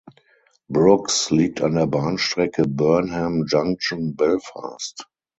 Brooks liegt an der Bahnstrecke Burnham Junction–Belfast.